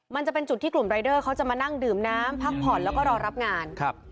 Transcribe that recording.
มันจะเป็นจุดที่กลุ่มรายเดอร์เขาจะมานั่งดื่มน้ำพักผ่อนแล้วก็รอรับงานครับ